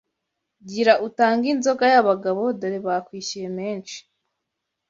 gira utange inzoga y’abagabo dore bakwishyuye menshi